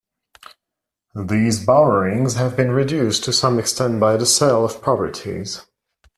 These borrowings have been reduced to some extent by the sale of properties.